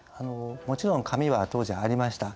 もちろん紙は当時ありました。